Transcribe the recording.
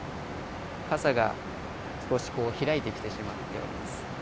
かさが少し開いてきてしまっています。